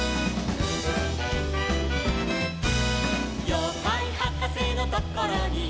「ようかいはかせのところに」